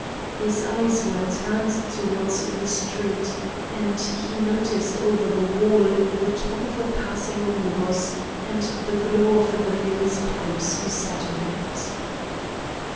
His eyes were turned towards the street, and he noticed over the wall the top of a passing omnibus and the glow of the men's pipes who sat on it.